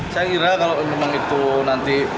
saya kira kalau memang itu nanti